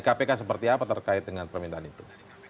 kpk seperti apa terkait dengan permintaan itu